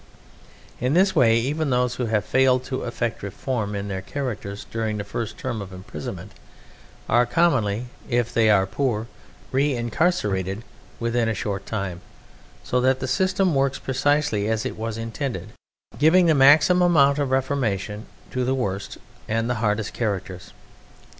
In this way even those who have failed to effect reform in their characters during their first term of imprisonment are commonly if they are poor re incarcerated within a short time, so that the system works precisely as it was intended to, giving the maximum amount of reformation to the worst and the hardest characters.